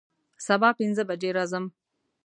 سبا پنځه بجې راځم